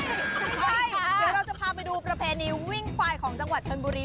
เดี๋ยวเราจะพาไปดูประเพณีวิ่งควายของจังหวัดชนบุรี